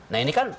nah ini kan